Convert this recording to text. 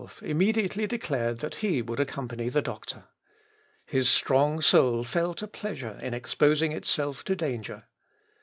The ardent Amsdorff immediately declared that he would accompany the doctor. His strong soul felt a pleasure in exposing itself to danger.